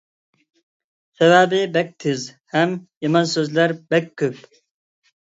سەۋەبى بەك تېز ھەم يامان سۆزلەر بەك كۆپ.